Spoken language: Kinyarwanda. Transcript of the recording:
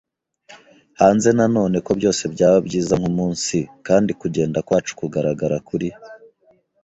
hanze na none, ko byose byaba byiza nkumunsi, kandi kugenda kwacu kugaragara kuri